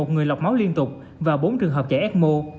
một mươi một người lọc máu liên tục và bốn trường hợp chảy ecmo